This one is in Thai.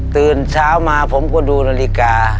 ตื่นเช้ามาผมก็ดูนาฬิกา